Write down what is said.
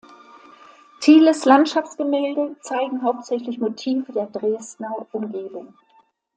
Thieles Landschaftsgemälde zeigen hauptsächlich Motive der Dresdner Umgebung.